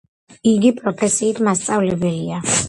იგი პროფესიით მასწავლებელია.